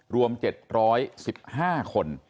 รวม๗๑๕คน